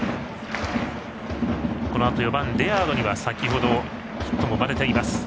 このあと４番のレアードには先ほどヒットも生まれています。